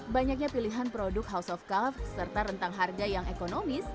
banyaknya pilihan produk house of calf serta rentang harga yang ekonomis